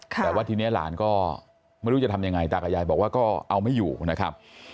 แต่ว่าทีนี้หลานก็ไม่รู้จะทำยังไงตากับยายบอกว่าก็เอาไม่อยู่นะครับ